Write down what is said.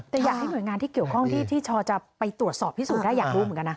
แต่อยากให้หน่วยงานที่เกี่ยวข้องที่ชอจะไปตรวจสอบพิสูจน์ได้อยากรู้เหมือนกันนะ